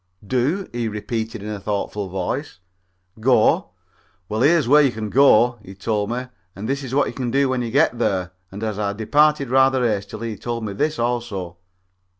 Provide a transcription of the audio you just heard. "Do?" he repeated, in a thoughtful voice. "Go? Well, here's where you can go," and he told me, "and this is what you can do when you get there," and as I departed rather hastily he told me this also.